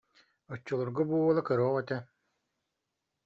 Оччолорго бу уола кыра оҕо этэ